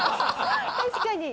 確かに！